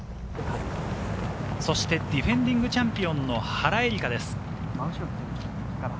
そしてディフェンディングチャンピオンの原英莉花。